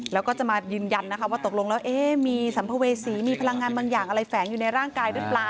แล้วก็จะมายืนยันนะคะว่าตกลงแล้วมีสัมภเวษีมีพลังงานบางอย่างอะไรแฝงอยู่ในร่างกายหรือเปล่า